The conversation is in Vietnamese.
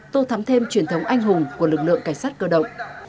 tô thắm thêm truyền thống anh hùng của lực lượng cảnh sát cơ động